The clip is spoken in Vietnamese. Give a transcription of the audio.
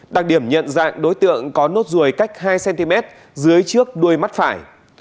đặc điểm nhận dạng đối tượng có nốt ruồi cách hai cm dưới trước đuôi mắt phải